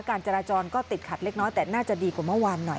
การจราจรก็ติดขัดเล็กน้อยแต่น่าจะดีกว่าเมื่อวานหน่อย